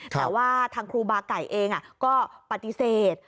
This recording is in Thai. แต่ว่าทางครูบาไก่เองก็ปฏิเสธ